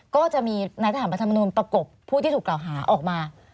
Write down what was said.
ก็จะมีนายทหารพระธรรมนูลประกบผู้ที่ถูกกล่าวหาออกมา